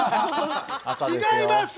違います！